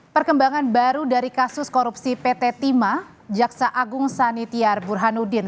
perkembangan baru dari kasus korupsi pt tima jaksa agung sanitiar burhanuddin